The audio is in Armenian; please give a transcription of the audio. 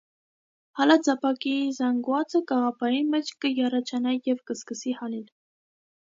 Հալած ապակիի զանգուածը կաղապարին մէջ կը յառաջանայ եւ կը սկսի հալիլ։